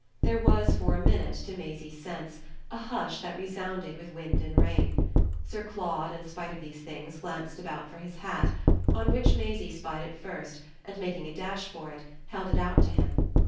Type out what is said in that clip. There was for a minute, to Maisie's sense, a hush that resounded with wind and rain. Sir Claude, in spite of these things, glanced about for his hat; on which Maisie spied it first and, making a dash for it, held it out to him.